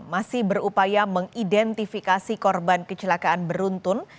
masih berupaya mengidentifikasi korban kecelakaan beruntun